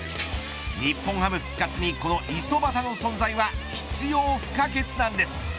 日本ハム復活にこの五十幡の存在は必要不可欠なんです。